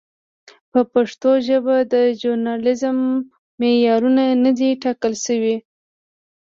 په پښتو ژبه د ژورنالېزم معیارونه نه دي ټاکل شوي.